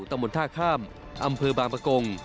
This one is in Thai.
ตะมนต์ท่าข้ามอำเภอบางปกง